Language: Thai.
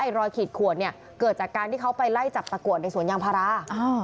รอยขีดขวดเนี่ยเกิดจากการที่เขาไปไล่จับตะกรวดในสวนยางพารา